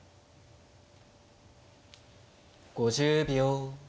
５０秒。